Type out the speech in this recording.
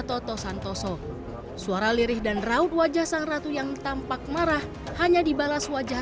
toto santoso suara lirih dan raut wajah sang ratu yang tampak marah hanya dibalas wajah